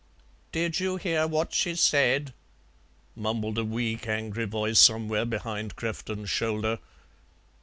"Did you hear what she said?" mumbled a weak, angry voice somewhere behind Crefton's shoulder.